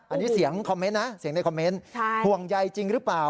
อันนี้เสียงในคอมเมนต์ห่วงใยจริงหรือเปล่า